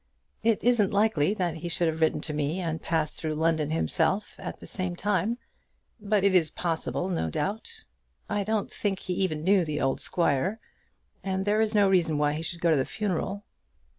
"It isn't likely that he should have written to me, and passed through London himself, at the same time; but it is possible, no doubt. I don't think he even knew the old squire; and there is no reason why he should go to the funeral."